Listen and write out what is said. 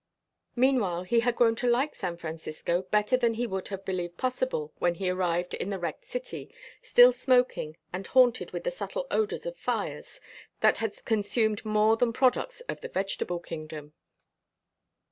Meanwhile he had grown to like San Francisco better than he would have believed possible when he arrived in the wrecked city, still smoking, and haunted with the subtle odors of fires that had consumed more than products of the vegetable kingdom.